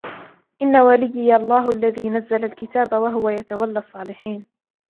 إن وليي الله الذي نزل الكتاب وهو يتولى الصالحين